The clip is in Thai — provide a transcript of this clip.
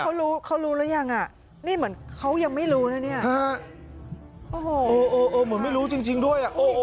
พวกเขารู้หรือยังนี่เหมือนเขายังไม่รู้นะเหมือนแบบไม่รู้จริงด้วย